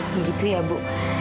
begitu ya bu